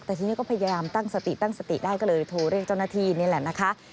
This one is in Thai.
แต่ทีนี้ก็พยายามตั้งสติตั้งสติได้ก็เลยโทรเรียกเจ้าหน้าที่นี่แหละนะคะ